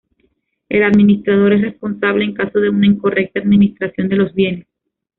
El administrador es responsable en caso de una incorrecta administración de los bienes.